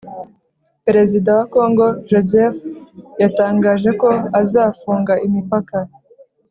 perezida wa congo joseph yatangaje ko azafunga imipaka